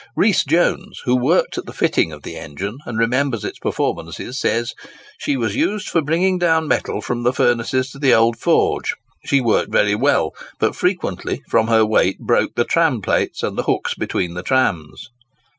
Rees Jones, who worked at the fitting of the engine, and remembers its performances, says, "She was used for bringing down metal from the furnaces to the Old Forge. She worked very well; but frequently, from her weight, broke the tram plates and the hooks between the trams.